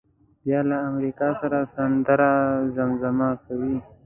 بیا له امریکا سره سندره زمزمه کوي.